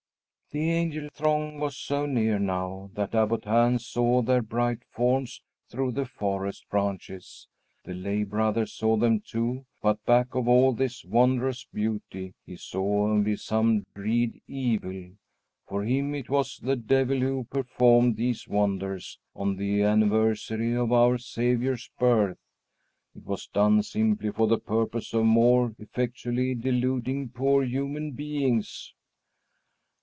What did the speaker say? The angel throng was so near now that Abbot Hans saw their bright forms through the forest branches. The lay brother saw them, too; but back of all this wondrous beauty he saw only some dread evil. For him it was the devil who performed these wonders on the anniversary of our Saviour's birth. It was done simply for the purpose of more effectually deluding poor human beings.